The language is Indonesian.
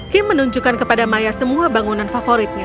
him menunjukkan kepada maya semua bangunan favoritnya